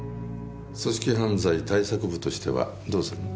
組織犯罪対策部としてはどうするの？